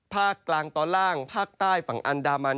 ภาคกลางตอนล่างภาคใต้ฝั่งอันดามัน